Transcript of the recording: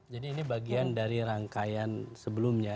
jadi ini bagian dari rangkaian sebelumnya